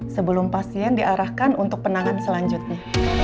sebelum pasien diarahkan untuk penanganan selanjutnya